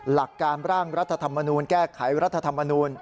หลักการร่างรัฐธรรมนูลแก้ไขรัฐธรรมนูล